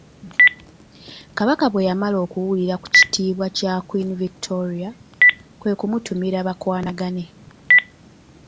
Kabaka bwe yamala okuwulira ku kitiibwa kya Queen Victoria, kwe kumutumira bakwanagane.